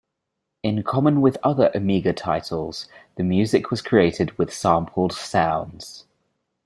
In common with other Amiga titles, the music was created with sampled sounds.